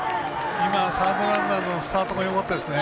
今、サードランナーのスタートがよかったですね。